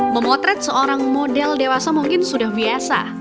memotret seorang model dewasa mungkin sudah biasa